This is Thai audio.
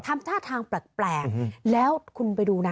ทำท่าทางแปลกแล้วคุณไปดูนะ